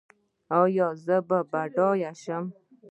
ایا زه باید بډای شم؟